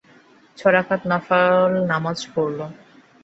ছ রাকাত নফল নামাজ পড়ল।